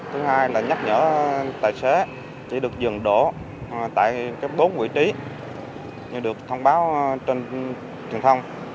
thứ hai là nhắc nhở tài xế chỉ được dừng đổ tại bốn vị trí và được thông báo trên truyền thông